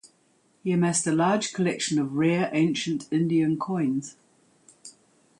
He amassed a large collection of rare ancient Indian coins.